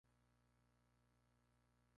El proyecto seleccionado fue el del Arq.